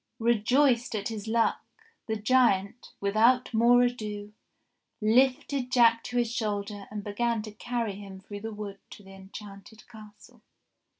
Rejoiced at his luck the giant, without more ado, lifted Jack to his shoulder and began to carry him through the wood to the enchanted castle.